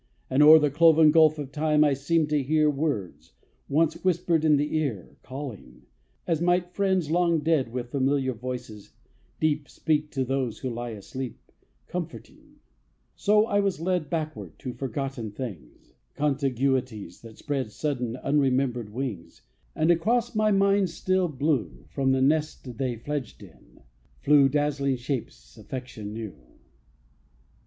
And o'er the cloven Gulf of time, I seem to hear Words, once whispered in the ear, Calling as might friends long dead, With familiar voices, deep, Speak to those who lie asleep, Comforting So I was led Backward to forgotten things, Contiguities that spread Sudden unremembered wings; And across my mind's still blue From the nest they fledged in, flew Dazzling shapes affection knew.